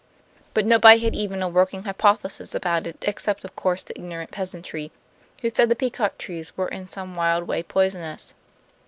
But nobody had even a working hypothesis about it, except of course the ignorant peasantry, who said the peacock trees were in some wild way poisonous.